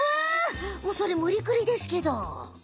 もうそれむりくりですけど！